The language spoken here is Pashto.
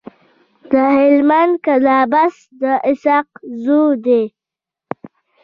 د هلمند کلابست د اسحق زو دی.